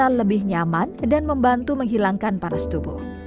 dan merasa lebih nyaman dan membantu menghilangkan panas tubuh